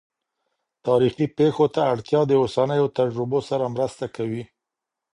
تاریخي پېښو ته اړتیا د اوسنیو تجربو سره مرسته کوي.